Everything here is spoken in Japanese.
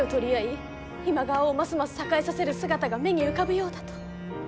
今川をますます栄えさせる姿が目に浮かぶようだと。